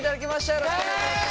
よろしくお願いします！